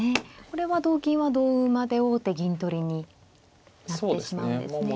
これは同金は同馬で王手銀取りになってしまうんですね。